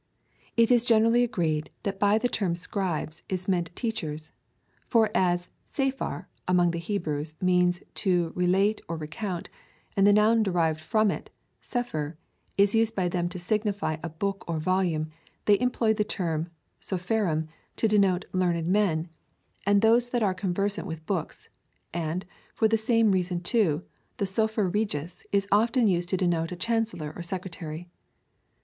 It is generally agreed, that by the term scribes is meant teachers. For as "ISD, ss^ph^ir, among the Hebrews, means to relate or recount, and the noun derived from it, I^D, sepher, is used by them to signify a book or volume, they employ the term D''"l31D, sopherim, to denote learned men, and those that are conversant with books ; and, for the same reason, too, sopher regis is often used to denote a chancellor or secretary.